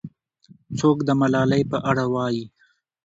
څوک د ملالۍ په اړه وایي؟